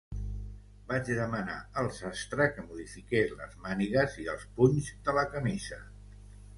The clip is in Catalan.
Vaig demanar al sastre que modifiqués les mànigues i els punys de la camisa.